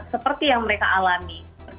seperti yang mereka alami